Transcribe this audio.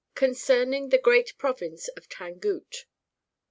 Concerning the Great Province of Tangut.